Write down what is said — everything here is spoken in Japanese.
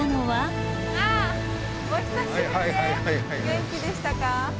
元気でしたか？